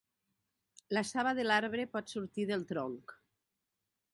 La saba de l'arbre pot sortir del tronc.